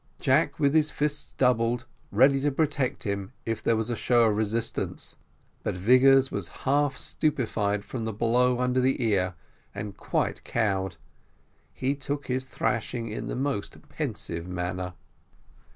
Jack with his fists doubled ready to protect him if there was a show of resistance, but Vigors was half stupified with the blow under the ear, and quite cowed; he took his thrashing in the most passive manner.